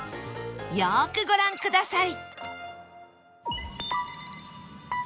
よーくご覧ください